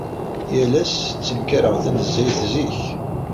Yal ass, ttenkareɣ tanezzayt zik.